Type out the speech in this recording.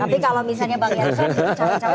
tapi kalau misalnya bang jansot